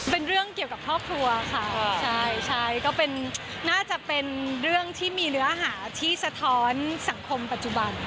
เป็นเรื่องเกี่ยวกับครอบครัวค่ะใช่ใช่ก็เป็นน่าจะเป็นเรื่องที่มีเนื้อหาที่สะท้อนสังคมปัจจุบัน